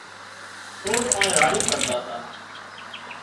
سور مانئين راڙيون ڪرتا تا